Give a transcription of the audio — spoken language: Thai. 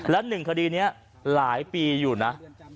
และ๑คดีเนี่ยหลายปีอยู่นะ